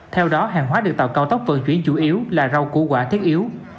theo đó hàng hóa được tàu cao tốc vận chuyển chủ yếu là rau củ quả thiết yếu